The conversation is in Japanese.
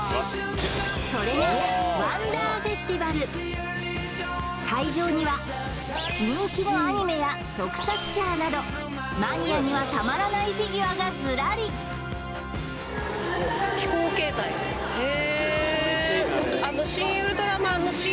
それが会場には人気のアニメや特撮キャラなどマニアにはたまらないフィギュアがずらりへえ